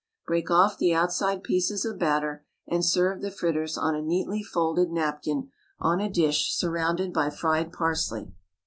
Break off the outside pieces of batter, and serve the fritters on a neatly folded napkin on a dish surrounded by fried parsley.